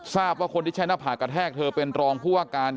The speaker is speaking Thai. ทราบว่าคนที่ใช้หน้าผากกระแทกเธอเป็นรองผู้ว่าการ